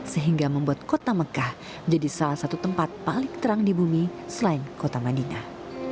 sehingga membuat kota mekah jadi salah satu tempat paling terang di bumi selain kota madinah